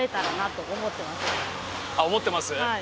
あ思ってます？